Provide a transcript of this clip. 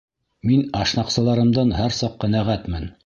— Мин ашнаҡсыларымдан һәр саҡ ҡәнәғәтмен.